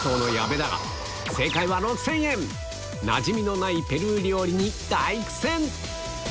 なじみのないペルー料理に大苦戦！